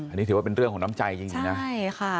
อันนี้ถือว่าเป็นเรื่องของน้ำใจจริงนะใช่ค่ะ